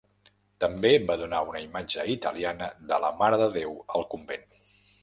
També va donar una imatge italiana de la Marededeu al convent.